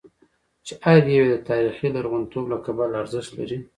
چې هر یو یې د تاریخي لرغونتوب له کبله ارزښت لري.